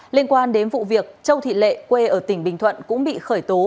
liên quan đến vụ việc châu thị lệ quê ở tỉnh bình thuận cũng bị khởi tố